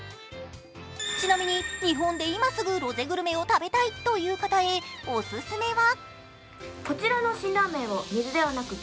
ちなみに、日本で今すぐロゼグルメを食べたいという方へ、オススメは？